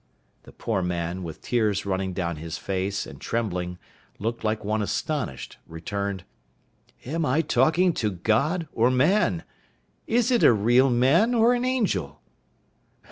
The poor man, with tears running down his face, and trembling, looking like one astonished, returned, "Am I talking to God or man? Is it a real man or an angel?"